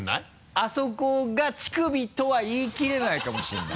あそこが乳首とは言い切れないかもしれない。